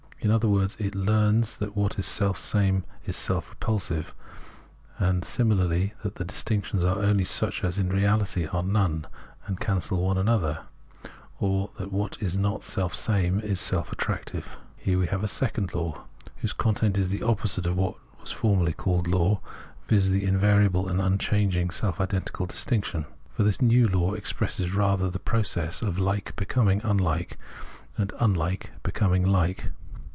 In other words, it learns that what is selfsame is self repulsive, and, similarly, that the distinctions are only such as in reality are none and cancel one another, or that what is not selfsame is self attractive. Here we have a second law, whose content is the opposite of Understanding I5I what formerly was called law, viz. the invariable and unchanging self identical distinction ; for this new law expresses rather the process of Hke becoming unUke, and unhke becoming hke.